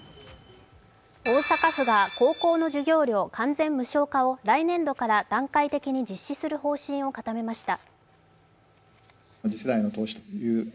大阪府が高校の授業料完全無償化を来年度から段階的に実施する方針を固めました。